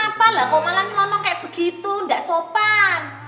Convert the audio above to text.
kenapa lah kok malah ngomong kayak begitu gak sopan